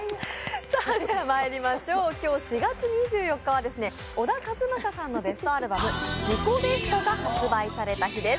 今日、４月２４日は小田和正さんのベストアルバム「自己ベスト」が発売された日です。